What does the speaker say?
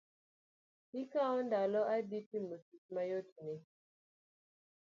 Ikao ndalo adi timo tich mayot ni?